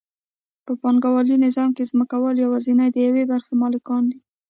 په پانګوالي نظام کې ځمکوال یوازې د یوې برخې مالکان دي